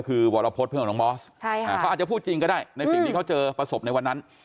เขาอาจจะพูดจริงก็ได้ในสิ่งที่เขาเจอประสบในวันนั้น